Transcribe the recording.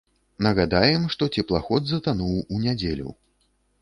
Нагадаем, што цеплаход затануў у нядзелю.